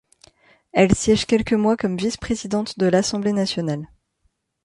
Elle siège quelques mois comme vice-présidente de l’Assemblée nationale.